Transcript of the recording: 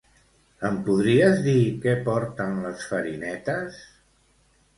Em podries dir què porten les farinetes?